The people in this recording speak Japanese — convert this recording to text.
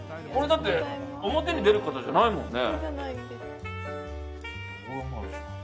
だって、表に出る方じゃないもんね。